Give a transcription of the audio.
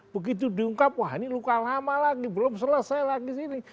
begitu diungkap wah ini luka lama lagi belum selesai lagi sini